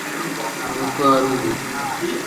Nuko arahaguruka ajya i Sarefati